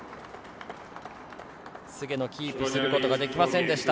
菅野、キープすることができませんでした。